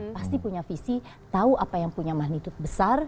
pasti punya visi tahu apa yang punya magnitude besar